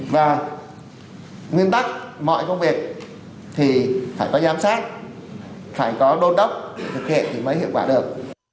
và nguyên tắc mọi công việc thì phải có giám sát phải có đôn đốc thực hiện thì mới hiệu quả được